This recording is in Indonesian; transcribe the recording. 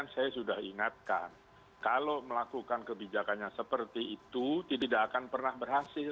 saya sudah ingatkan kalau melakukan kebijakannya seperti itu tidak akan pernah berhasil